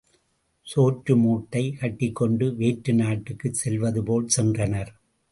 சோற்று மூட்டை கட்டிக்கொண்டு வேற்று நாட்டுக்குச் செல்வது போல் சென்றனர்.